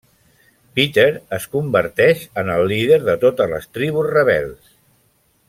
Peter es converteix en el líder de totes les tribus rebels.